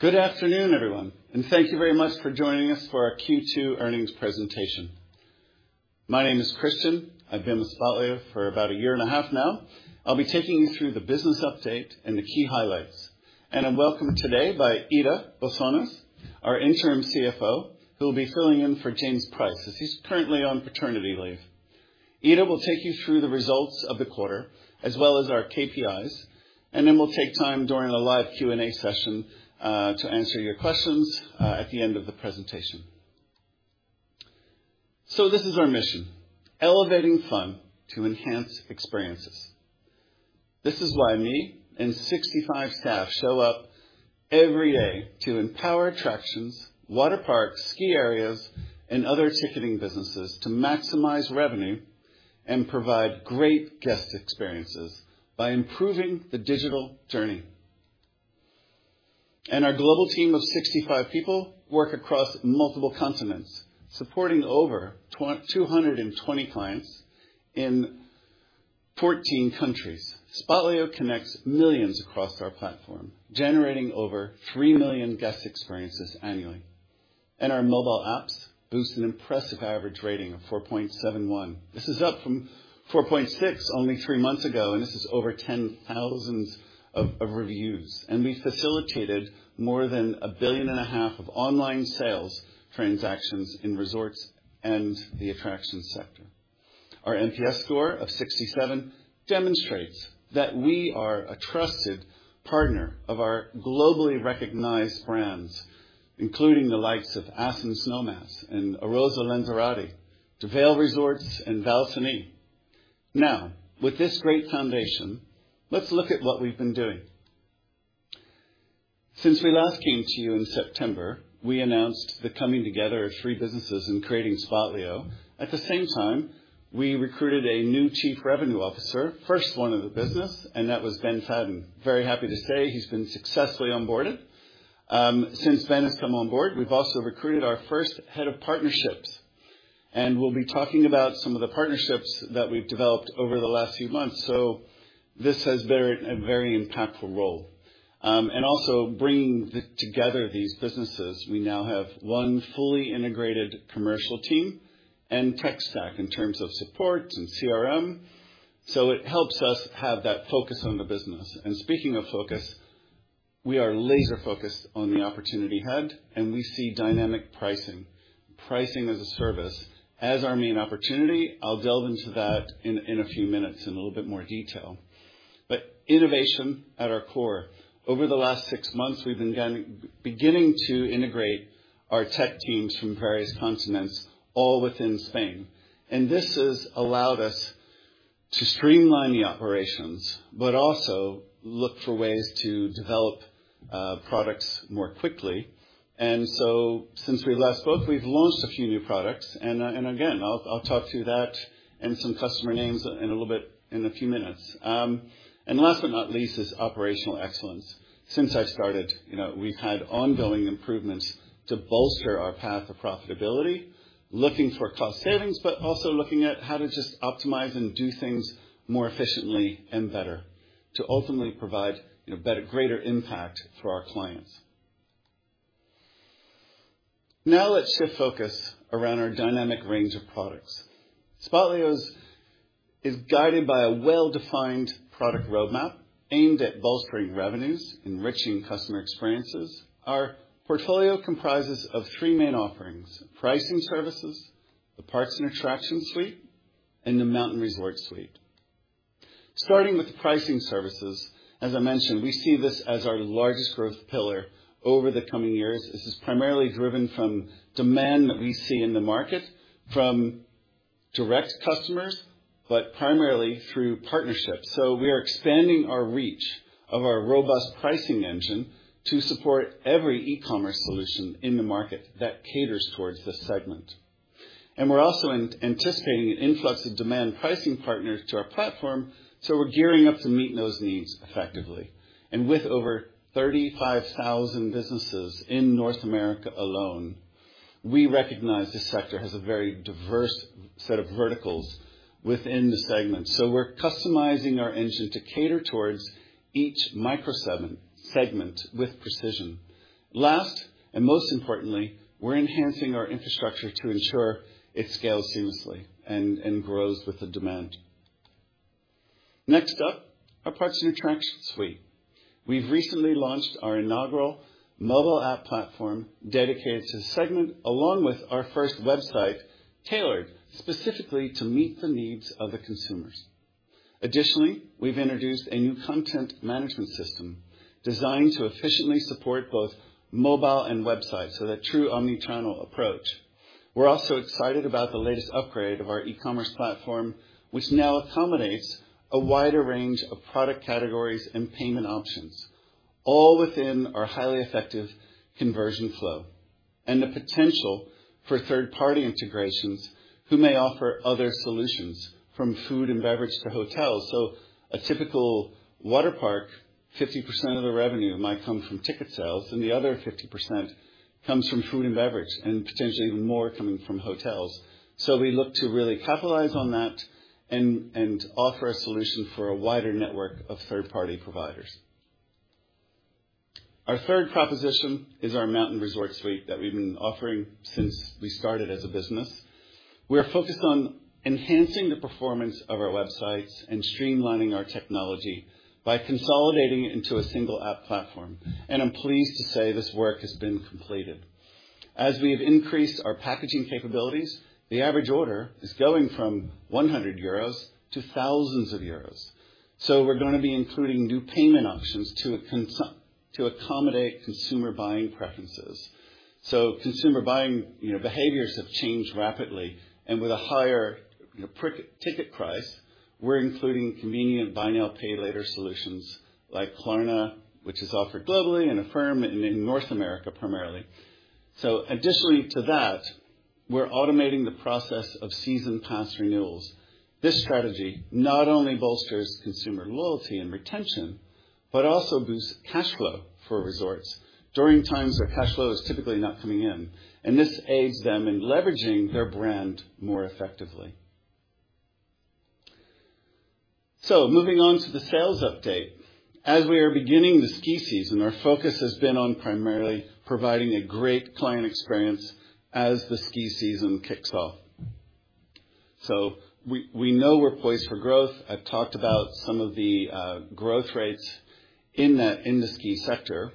Good afternoon, everyone, and thank you very much for joining us for our Q2 Earnings Presentation. My name is Christian. I've been with Spotlio for about a year and a half now. I'll be taking you through the business update and the key highlights. I'm welcomed today by Ida Bolsønes, our Interim CFO, who will be filling in for James Price, as he's currently on paternity leave. Ida will take you through the results of the quarter, as well as our KPIs, and then we'll take time during the live Q&A session to answer your questions at the end of the presentation. This is our mission: elevating fun to enhance experiences. This is why me and 65 staff show up every day to empower attractions, water parks, ski areas, and other ticketing businesses to maximize revenue and provide great guest experiences by improving the digital journey. Our global team of 65 people work across multiple continents, supporting over 220 clients in 14 countries. Spotlio connects millions across our platform, generating over 3 million guest experiences annually, and our mobile apps boost an impressive average rating of 4.71. This is up from 4.6 only three months ago, and this is over 10,000 reviews. We facilitated more than $1.5 billion of online sales transactions in resorts and the attraction sector. Our NPS score of 67 demonstrates that we are a trusted partner of our globally recognized brands, including the likes of Aspen Snowmass and Arosa Lenzerheide to Vail Resorts and Val Thorens. Now, with this great foundation, let's look at what we've been doing. Since we last came to you in September, we announced the coming together of three businesses in creating Spotlio. At the same time, we recruited a new Chief Revenue Officer, first one in the business, and that was Ben Faden. Very happy to say he's been successfully onboarded. Since Ben has come on board, we've also recruited our first head of partnerships, and we'll be talking about some of the partnerships that we've developed over the last few months. So this has been a very impactful role. And also bringing together these businesses, we now have one fully integrated commercial team and tech stack in terms of support and CRM. So it helps us have that focus on the business. And speaking of focus, we are laser-focused on the opportunity at hand, and we see dynamic pricing, pricing as a service, as our main opportunity. I'll delve into that in a few minutes in a little bit more detail. But innovation at our core. Over the last six months, we've been beginning to integrate our tech teams from various continents, all within Spain. And this has allowed us to streamline the operations, but also look for ways to develop products more quickly. And so since we last spoke, we've launched a few new products, and again, I'll talk to that and some customer names in a little bit, in a few minutes. And last but not least, is operational excellence. Since I started, you know, we've had ongoing improvements to bolster our path to profitability, looking for cost savings, but also looking at how to just optimize and do things more efficiently and better to ultimately provide, you know, better, greater impact for our clients. Now, let's shift focus around our dynamic range of products. Spotlio is guided by a well-defined product roadmap aimed at bolstering revenues, enriching customer experiences. Our portfolio comprises of three main offerings: pricing services, the parks and attraction suite, and the mountain resort suite. Starting with the pricing services, as I mentioned, we see this as our largest growth pillar over the coming years. This is primarily driven from demand that we see in the market from direct customers, but primarily through partnerships. So we are expanding our reach of our robust pricing engine to support every e-commerce solution in the market that caters towards this segment. And we're also anticipating an influx of dynamic pricing partners to our platform, so we're gearing up to meet those needs effectively. With over 35,000 businesses in North America alone, we recognize this sector has a very diverse set of verticals within the segment, so we're customizing our engine to cater towards each micro-segment with precision. Last, and most importantly, we're enhancing our infrastructure to ensure it scales seamlessly and grows with the demand. Next up, our parks and attractions suite. We've recently launched our inaugural mobile app platform dedicated to this segment, along with our first website, tailored specifically to meet the needs of the consumers. Additionally, we've introduced a new content management system designed to efficiently support both mobile and websites, so that true omni-channel approach. We're also excited about the latest upgrade of our e-commerce platform, which now accommodates a wider range of product categories and payment options, all within our highly effective conversion flow and the potential for third-party integrations who may offer other solutions, from food and beverage to hotels. So a typical water park, 50% of the revenue might come from ticket sales, and the other 50% comes from food and beverage, and potentially even more coming from hotels. So we look to really capitalize on that and offer a solution for a wider network of third-party providers.... Our third proposition is our mountain resort suite that we've been offering since we started as a business. We are focused on enhancing the performance of our websites and streamlining our technology by consolidating it into a single app platform, and I'm pleased to say this work has been completed. As we have increased our packaging capabilities, the average order is going from 100 euros to thousands of euros. We're gonna be including new payment options to accommodate consumer buying preferences. Consumer buying, you know, behaviors have changed rapidly and with a higher, you know, ticket price, we're including convenient buy now, pay later solutions like Klarna, which is offered globally, and Affirm in North America, primarily. Additionally to that, we're automating the process of season pass renewals. This strategy not only bolsters consumer loyalty and retention, but also boosts cash flow for resorts during times where cash flow is typically not coming in, and this aids them in leveraging their brand more effectively. Moving on to the sales update. As we are beginning the ski season, our focus has been on primarily providing a great client experience as the ski season kicks off. So we know we're poised for growth. I've talked about some of the growth rates in the ski sector.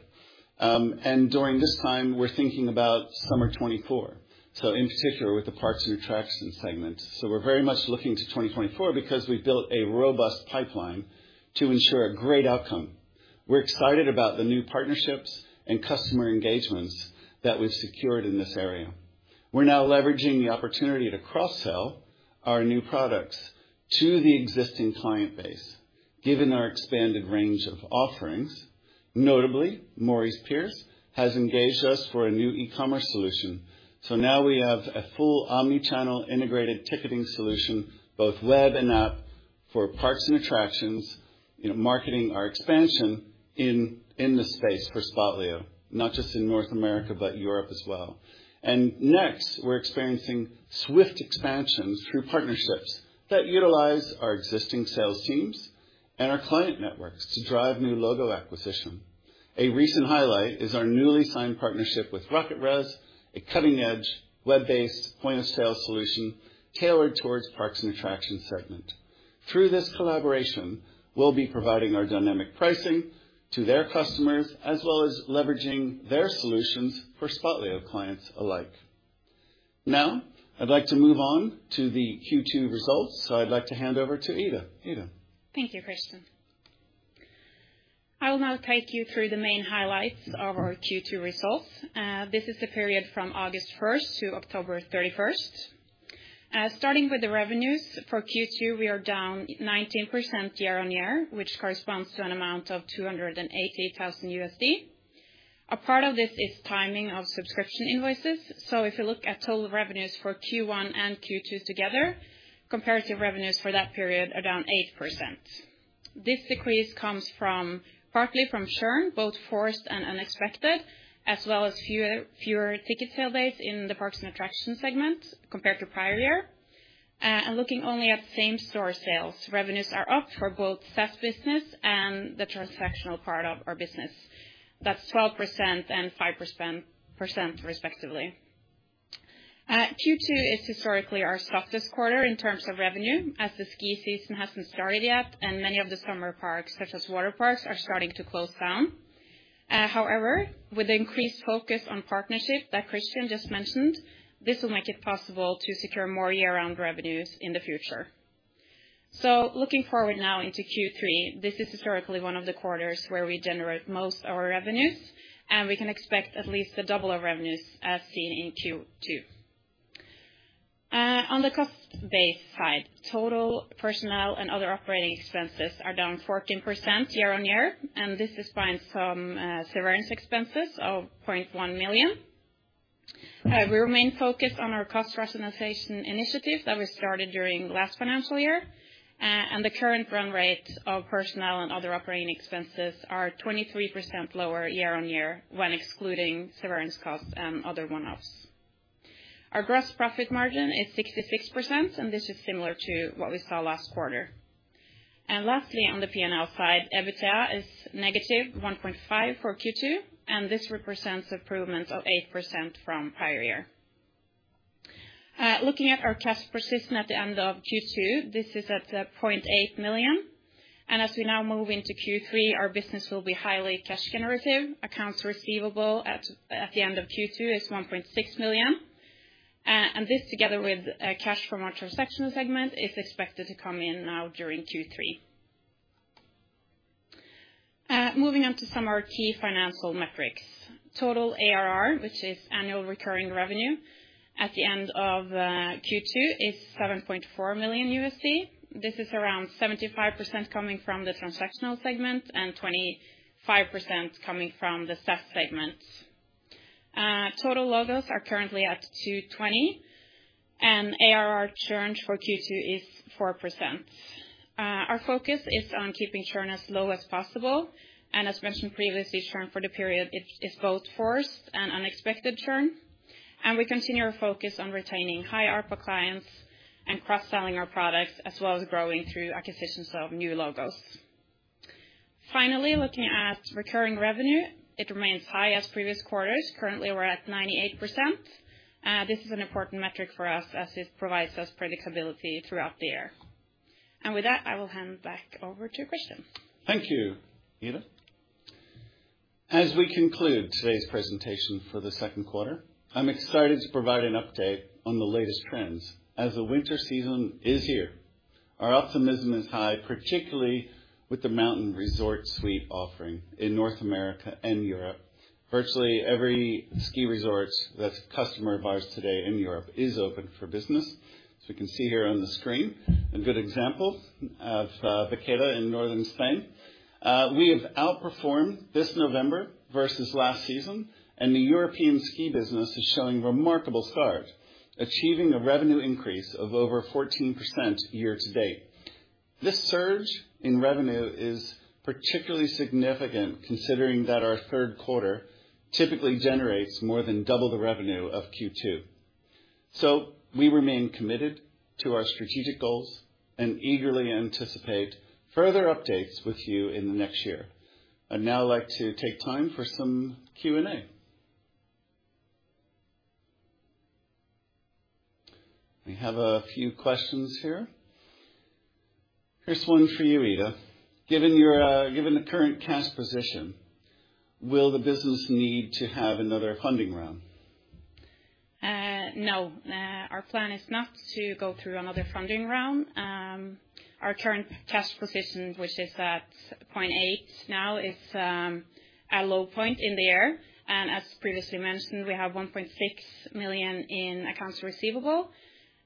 And during this time, we're thinking about summer 2024, so in particular with the parks and attractions segment. So we're very much looking to 2024 because we've built a robust pipeline to ensure a great outcome. We're excited about the new partnerships and customer engagements that we've secured in this area. We're now leveraging the opportunity to cross-sell our new products to the existing client base, given our expanded range of offerings. Notably, Morris Pierce has engaged us for a new e-commerce solution. So now we have a full omni-channel integrated ticketing solution, both web and app, for parks and attractions. You know, marketing our expansion in the space for Spotlio, not just in North America, but Europe as well. Next, we're experiencing swift expansions through partnerships that utilize our existing sales teams and our client networks to drive new logo acquisition. A recent highlight is our newly signed partnership with RocketRez, a cutting-edge, web-based point-of-sale solution tailored towards parks and attraction segment. Through this collaboration, we'll be providing our dynamic pricing to their customers, as well as leveraging their solutions for Spotlio clients alike. Now, I'd like to move on to the Q2 results, so I'd like to hand over to Ida. Ida? Thank you, Christian. I will now take you through the main highlights of our Q2 results. This is the period from August first to October thirty-first. Starting with the revenues for Q2, we are down 19% year-on-year, which corresponds to an amount of $288,000. A part of this is timing of subscription invoices. So if you look at total revenues for Q1 and Q2 together, comparative revenues for that period are down 8%. This decrease comes from, partly from churn, both forced and unexpected, as well as fewer ticket sale days in the parks and attraction segment compared to prior year. Looking only at same-store sales, revenues are up for both SaaS business and the transactional part of our business. That's 12% and 5% respectively. Q2 is historically our softest quarter in terms of revenue, as the ski season hasn't started yet, and many of the summer parks, such as water parks, are starting to close down. However, with increased focus on partnership that Christian just mentioned, this will make it possible to secure more year-round revenues in the future. So looking forward now into Q3, this is historically one of the quarters where we generate most of our revenues, and we can expect at least the double of revenues as seen in Q2. On the cost base side, total personnel and other operating expenses are down 14% year-on-year, and this is despite some severance expenses of $0.1 million. We remain focused on our cost rationalization initiative that we started during last financial year, and the current run rate of personnel and other operating expenses are 23% lower year-on-year when excluding severance costs and other one-offs. Our gross profit margin is 66%, and this is similar to what we saw last quarter. And lastly, on the P&L side, EBITDA is -$1.5 million for Q2, and this represents improvement of 8% from prior year. Looking at our cash position at the end of Q2, this is at $0.8 million. And as we now move into Q3, our business will be highly cash generative. Accounts receivable at the end of Q2 is $1.6 million, and this, together with cash from our transactional segment, is expected to come in now during Q3. Moving on to some of our key financial metrics. Total ARR, which is annual recurring revenue at the end of Q2, is $7.4 million. This is around 75% coming from the transactional segment and 25% coming from the SaaS segment. Total logos are currently at 220, and ARR churn for Q2 is 4%. Our focus is on keeping churn as low as possible, and as mentioned previously, churn for the period is both forced and unexpected churn. We continue our focus on retaining high ARPA clients and cross-selling our products, as well as growing through acquisitions of new logos. Finally, looking at recurring revenue, it remains high as previous quarters. Currently, we're at 98%. This is an important metric for us as it provides us predictability throughout the year. With that, I will hand back over to Christian. Thank you, Ida. As we conclude today's presentation for the second quarter, I'm excited to provide an update on the latest trends. As the winter season is here, our optimism is high, particularly with the mountain resort suite offering in North America and Europe. Virtually every ski resort that's a customer of ours today in Europe is open for business. So you can see here on the screen a good example of Baqueira in northern Spain. We have outperformed this November versus last season, and the European ski business is showing remarkable start, achieving a revenue increase of over 14% year to date. This surge in revenue is particularly significant, considering that our third quarter typically generates more than double the revenue of Q2. So we remain committed to our strategic goals and eagerly anticipate further updates with you in the next year. I'd now like to take time for some Q&A. We have a few questions here. Here's one for you, Ida: Given your, given the current cash position, will the business need to have another funding round? No. Our plan is not to go through another funding round. Our current cash position, which is at $0.8 million now, is a low point in the year, and as previously mentioned, we have $1.6 million in accounts receivable,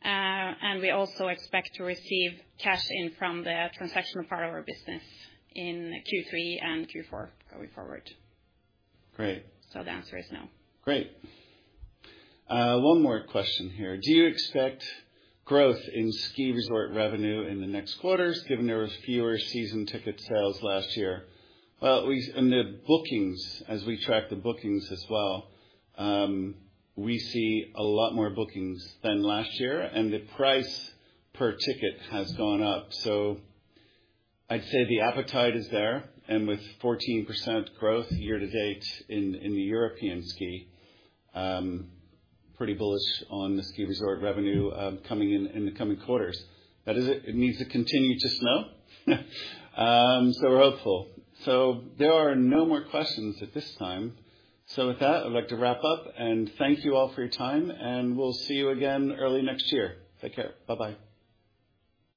and we also expect to receive cash in from the transaction part of our business in Q3 and Q4 going forward. Great. The answer is no. Great. One more question here: Do you expect growth in ski resort revenue in the next quarters, given there was fewer season ticket sales last year? Well, in the bookings, as we track the bookings as well, we see a lot more bookings than last year, and the price per ticket has gone up. So I'd say the appetite is there, and with 14% growth year to date in the European ski, pretty bullish on the ski resort revenue coming in in the coming quarters. That is it. It needs to continue to snow. So we're hopeful. So there are no more questions at this time. So with that, I'd like to wrap up and thank you all for your time, and we'll see you again early next year. Take care. Bye-bye.